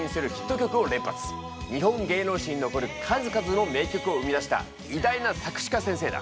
日本芸能史に残る数々の名曲を生み出した偉大な作詞家先生だ。